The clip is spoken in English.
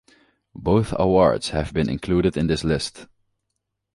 Both awards have been included in this list.